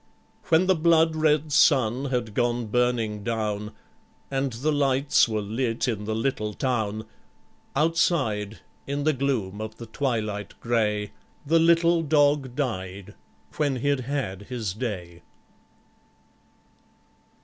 When the blood red sun had gone burning down, And the lights were lit in the little town, Outside, in the gloom of the twilight grey, The little dog died when he'd had his day.